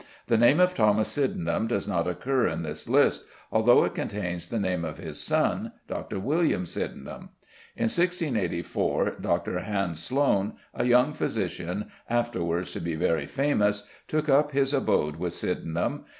The name of Thomas Sydenham does not occur in this list, although it contains the name of his son, Dr. William Sydenham. In 1684 Dr. Hans Sloane, a young physician afterwards to be very famous, took up his abode with Sydenham.